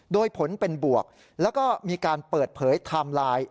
โดยผลเป็นบวกแล้วก็มีการเปิดเผยไทม์ไลน์